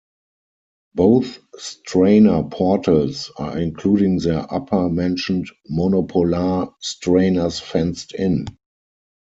Both strainer portals are including their upper mentioned monopolar strainers fenced-in.